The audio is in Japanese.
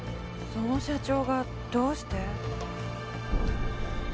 その社長がどうして？